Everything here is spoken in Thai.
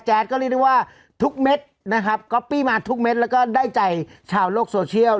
ก็เรียกได้ว่าทุกเม็ดนะครับก๊อปปี้มาทุกเม็ดแล้วก็ได้ใจชาวโลกโซเชียล